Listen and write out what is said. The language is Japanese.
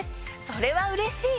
それはうれしい！